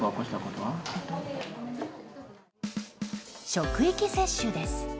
職域接種です。